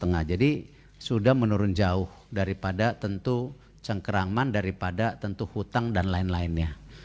nah jadi sudah menurun jauh daripada tentu cengkeraman daripada tentu hutang dan lain lainnya